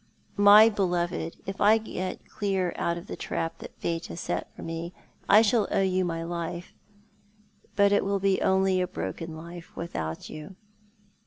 " My beloved, if I get clear out of the trap that Fate has set for me, I shall owe you my life ; but it will be only a broken life without you."